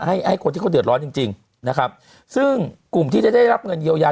ให้ให้คนที่เขาเดือดร้อนจริงจริงนะครับซึ่งกลุ่มที่จะได้รับเงินเยียวยา